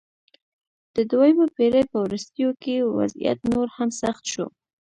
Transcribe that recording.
د دویمې پېړۍ په وروستیو کې وضعیت نور هم سخت شو